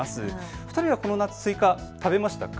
お二人はこの夏、スイカ食べましたか？